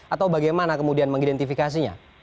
atau bagaimana kemudian mengidentifikasinya